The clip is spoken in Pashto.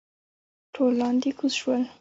ټول لاندې کوز شول.